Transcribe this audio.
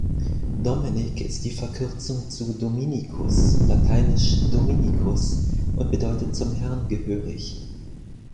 Dominik ist die Verkürzung zu "Dominikus", lateinisch "Dominicus" und bedeutet „zum Herrn gehörig“.